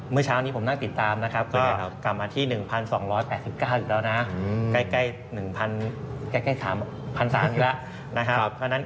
เมื่อเช้านี้ผมนั่งติดตามกลับมาที่๑๒๘๙อัตรูแล้วนะ